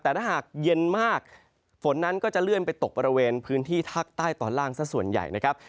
แต่ถ้าหากเย็นมากฝนนั้นก็จะเลื่อนไปตกบริเวณพื้นที่ภาคใต้ตอนล่างสักส่วนใหญ่นะครับ